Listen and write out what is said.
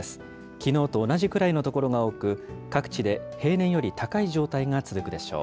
きのうと同じくらいの所が多く、各地で平年より高い状態が続くでしょう。